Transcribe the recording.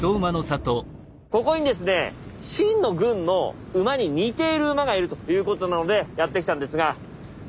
ここにですね秦の軍の馬に似ている馬がいるということなのでやって来たんですが。